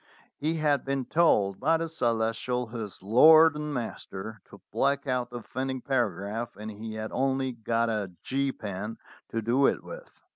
He had been told by the Celestial, his lord and master, to black out the offending paragraph, and he had only got a "G" pen to do it with.